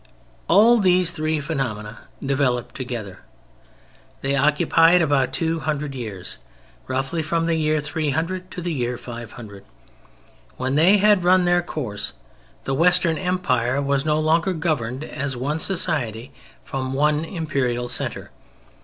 All these three phenomena developed together; they occupied about two hundred years—roughly from the year 300 to the year 500. When they had run their course the Western Empire was no longer governed as one society from one Imperial centre.